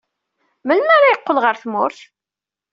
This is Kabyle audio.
Melmi ara yeqqel ɣer tmurt?